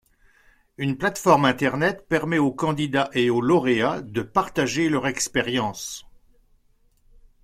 Une plateforme internet permet aux candidats et aux lauréats de partager leur expérience.